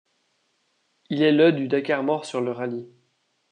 Il est le du Dakar mort sur le rallye.